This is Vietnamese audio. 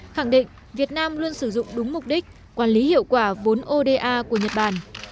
khẳng định việt nam luôn sử dụng đúng mục đích quản lý hiệu quả vốn oda của nhật bản